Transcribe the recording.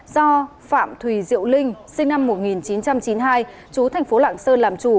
do phạm thùy diệu linh sinh năm một nghìn chín trăm chín mươi hai chú thành phố lạng sơn làm chủ